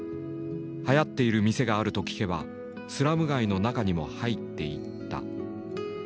はやっている店があると聞けばスラム街の中にも入っていった。